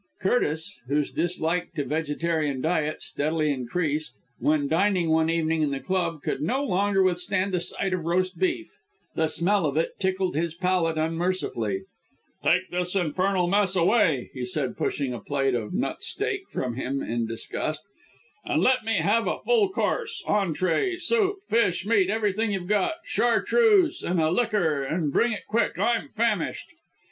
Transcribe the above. Curtis, whose dislike to vegetarian diet steadily increased, when dining one evening at his club, could no longer withstand the sight of roast beef. The smell of it tickled his palate unmercifully. "Take this infernal mess away!" he said, pushing a plate of nut steak from him in disgust, "and let me have a full course entrée, soup, fish, meat, everything you've got chartreuse and a liqueur, and bring it quick I'm famished."